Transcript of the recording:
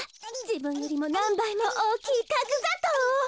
じぶんよりもなんばいもおおきいかくざとうを。